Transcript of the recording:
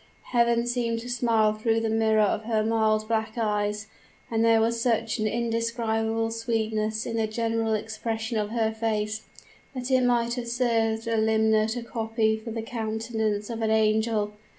Heaven seemed to smile through the mirror of her mild black eyes; and there was such an indescribable sweetness in the general expression of her face, that it might have served a limner to copy for the countenance of an angel!